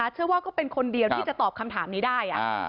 เชื่อว่าก็เป็นคนเดียวที่จะตอบคำถามนี้ได้